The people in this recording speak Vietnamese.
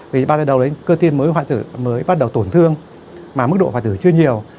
vì ba giờ đầu cơ tim mới hoài thử mới bắt đầu tổn thương mà mức độ hoài thử chưa nhiều